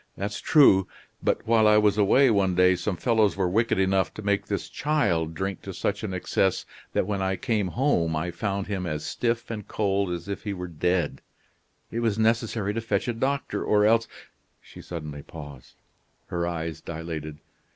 That's true. But while I was away one day some fellows were wicked enough to make this child drink to such an excess that when I came home I found him as stiff and cold as if he were dead. It was necessary to fetch a doctor or else " She suddenly paused; her eyes dilated.